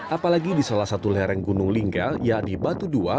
apalagi di salah satu lereng gunung lingga yakni batu dua